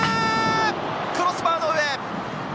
クロスバーの上。